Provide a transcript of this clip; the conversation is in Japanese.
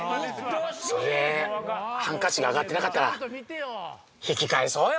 それでハンカチが上がってなかったら引き返そうよ！